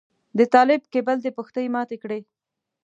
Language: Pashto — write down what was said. د طالب کيبل دې پښتۍ ماتې کړې.